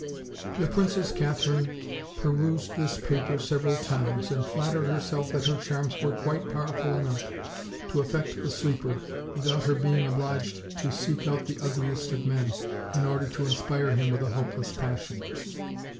The Princess Katherine perused this paper several times, and flattered herself that her charms were quite powerful enough to affect the sleeper, without her being obliged to seek out the ugliest of men, in order to inspire him with a hopeless passion.